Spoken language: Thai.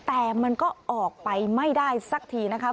แต่มันก็ออกไปไม่ได้สักทีนะคะ